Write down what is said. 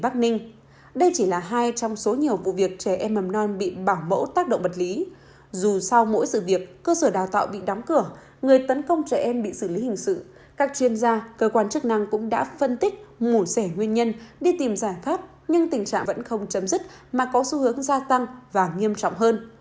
các chuyên gia cơ quan chức năng cũng đã phân tích ngủ sẻ nguyên nhân đi tìm giải pháp nhưng tình trạng vẫn không chấm dứt mà có xu hướng gia tăng và nghiêm trọng hơn